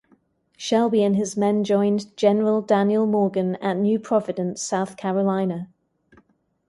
Shelby and his men joined General Daniel Morgan at New Providence, South Carolina.